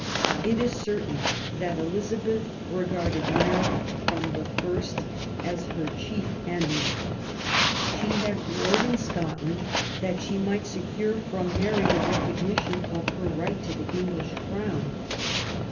It is certain that Elizabeth re garded Maiy firom the first as her chief enemy. She had war red in Scotland that she might secure from Mary the recognition of her right to the Enghsh Crown.